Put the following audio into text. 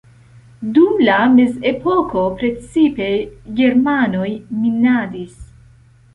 Dum la mezepoko precipe germanoj minadis.